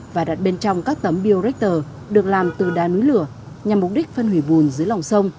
và đặt bên trong các tấm bio reactor được làm từ đá núi lửa nhằm mục đích phân hủy bùn dưới lòng sông